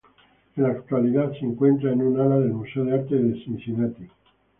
En la actualidad, se encuentran en un ala del Museo de Arte de Cincinnati.